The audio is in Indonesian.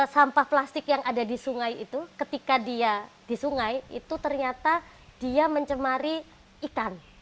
sampah plastik yang ada di sungai itu ketika dia di sungai itu ternyata dia mencemari ikan